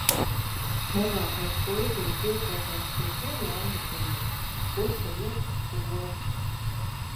Mazākais puika ir pieskaitāms pie tiem laimīgajiem, kurš var iet uz skolu.